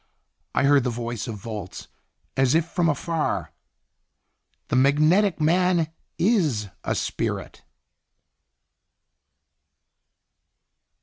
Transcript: I heard the voice of Volz as if from afar: "The magnetic man is a spirit!"